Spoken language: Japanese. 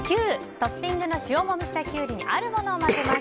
トッピングの塩もみしたキュウリにあるものを混ぜます。